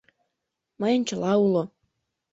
Мыйын чыла уло.